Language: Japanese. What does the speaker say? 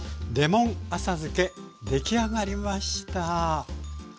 出来上がりました。